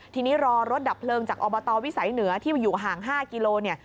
ทีนี้รอรถดับเพลิงจากอบตวิสัยเหนือที่อยู่ห่าง๕กิโลเนี่ย